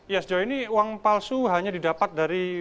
ya sejauh ini uang palsu hanya didapat dari